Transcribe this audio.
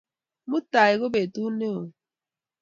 Mutai ko petut ne o